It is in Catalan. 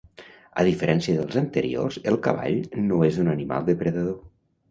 A diferència dels anteriors, el cavall no és un animal depredador.